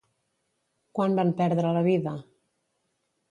Quan van perdre la vida?